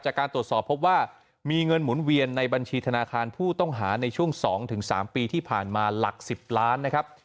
จากการตรวจสอบพบว่ามีเงินหมุนเวียนในบัญชีธนาคารผู้ต้องหาในช่วง๒๓ปีที่ผ่านมาหลัก๑๐ล้านนะครับ